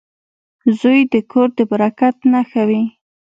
• زوی د کور د برکت نښه وي.